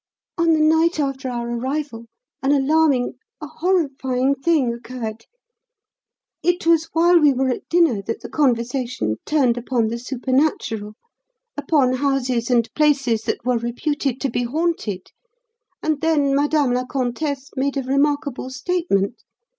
On the night after our arrival an alarming, a horrifying thing occurred. It was while we were at dinner that the conversation turned upon the supernatural upon houses and places that were reputed to be haunted and then Madame la Comtesse made a remarkable statement.